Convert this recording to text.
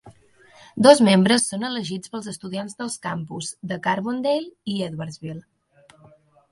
Dos membres són elegits pels estudiants dels campus de Carbondale i Edwardsville.